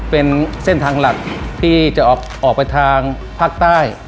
เป็นเส้นทางหลักที่จะออกไปทางภาคใต้